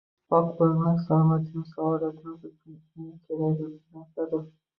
Pok bo’lmak salomatimiz, saodatimiz uchun eng kerakli narsadur